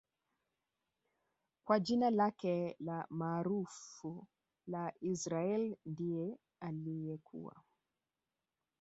kwa jina lake maarufu la Israaiyl ndiye aliyekuwa